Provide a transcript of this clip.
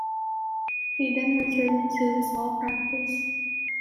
He then returned to his law practice.